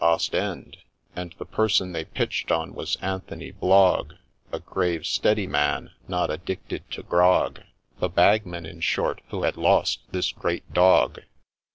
Ostend ; And the person they pitch'd on was Anthony Blogg, A grave, steady man, not addicted to grog, — The Bagman, in short, who had lost this great dog.